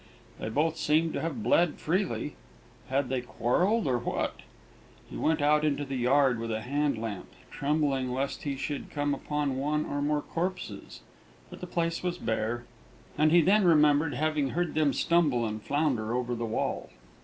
They both seemed to have bled freely. Had they quarrelled, or what? He went out into the yard with a hand lamp, trembling lest he should come upon one or more corpses; but the place was bare, and he then remembered having heard them stumble and flounder over the wall.